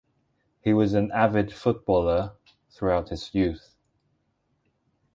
He was an avid footballer throughout his youth.